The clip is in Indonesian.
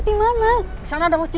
dan memang masih sangat juga mumpuni